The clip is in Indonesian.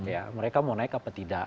ya mereka mau naik apa tidak